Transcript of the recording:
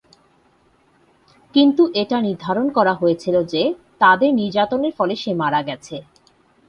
কিন্তু এটা নির্ধারণ করা হয়েছিল যে তাদের নির্যাতনের ফলে সে মারা গেছে।